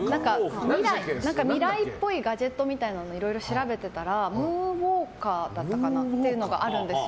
未来っぽいガジェットみたいなものをいろいろ調べていたらムーンウォーカーだったかなっていうのがあるんです。